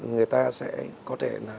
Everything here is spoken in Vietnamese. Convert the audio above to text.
người ta sẽ có thể